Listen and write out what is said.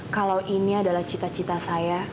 kalau ini adalah cita cita saya